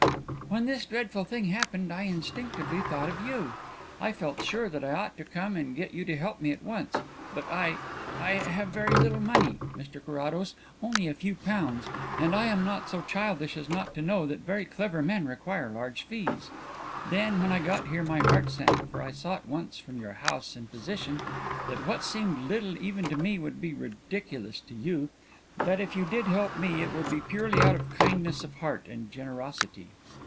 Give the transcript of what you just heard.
"When this dreadful thing happened I instinctively thought of you. I felt sure that I ought to come and get you to help me at once. But I I have very little money, Mr Carrados, only a few pounds, and I am not so childish as not to know that very clever men require large fees. Then when I got here my heart sank, for I saw at once from your house and position that what seemed little even to me would be ridiculous to you that if you did help me it would be purely out of kindness of heart and generosity."